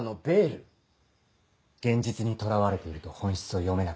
現実にとらわれていると本質を読めなくなる。